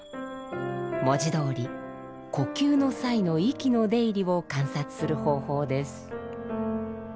文字どおり呼吸の際の息の出入りを観察する方法です。